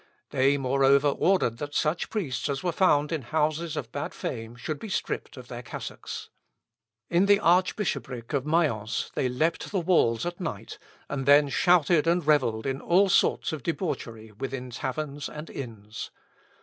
They, moreover, ordered that such priests as were found in houses of bad fame should be stript of their cassocks. In the archbishopric of Mayence, they leapt the walls at night, and then shouted and revelled in all sorts of debauchery within taverns and inns.